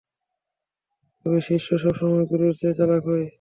তবে শিষ্য সবসময় গুরুর চেয়ে চালাক হয়।